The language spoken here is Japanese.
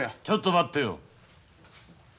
ちょっと待ってよ。